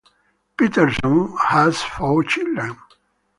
Peterson has four children.